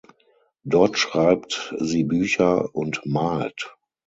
Dort schreibt sie Bücher und malt.